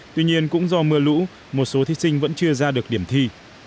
tuy nhiên cũng do mưa lũ một số thí sinh vẫn chưa ra được điểm thi